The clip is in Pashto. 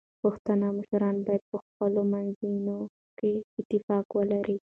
پښتانه مشران باید په خپلو منځونو کې اتفاق ولري.